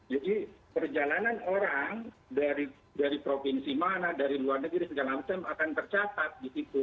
jadi perjalanan orang dari provinsi mana dari luar negeri segala macam akan tercatat di situ